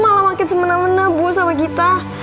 malah makin semena mena bu sama kita